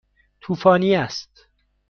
طوفانی است.